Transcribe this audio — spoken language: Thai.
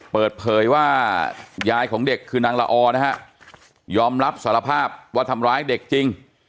เปิดเผยว่ายายของเด็กคือนางละออนะฮะยอมรับสารภาพว่าทำร้ายเด็กจริง